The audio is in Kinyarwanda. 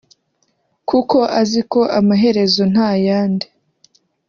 kuko azi ko amaherezo nta yandi